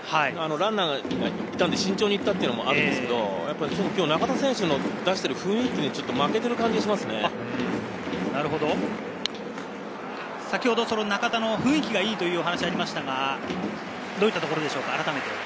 ランナーがいたんで、慎重に行ったっていうのもあるんですけど、今日、中田選手の出してる雰囲気に負けている気中田の雰囲気がいいという話がありましたが、どういったところでしょうか？